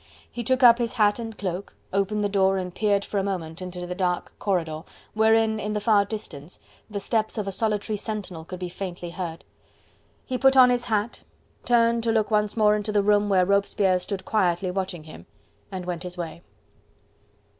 He took up his hat and cloak, opened the door and peered for a moment into the dark corridor, wherein, in the far distance, the steps of a solitary sentinel could be faintly heard: he put on his hat, turned to look once more into the room where Robespierre stood quietly watching him, and went his way.